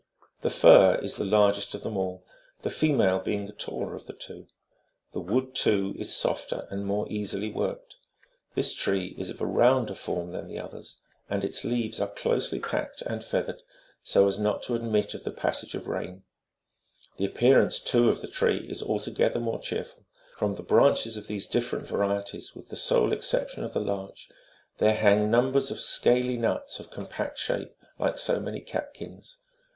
The fir is the largest of them all, the female being the taller of the two ; the wood, too, is softer and more easily worked. This tree is of a rounder form than the others, and its leaves are closely packed and feathered, so as not to admit of the passage of rain ; the appearance, too, of the tree is altogether more cheerful, From the branches of these different varieties, with the sole exception of the larch,28 there hang numbers of scaly nuts of compact shape, like so many catkins.